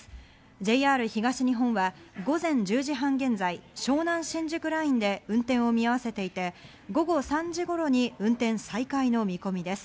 ＪＲ東日本は午前１０時半現在、湘南新宿ラインで運転を見合わせていて、午後３時頃に運転再開の見込みです。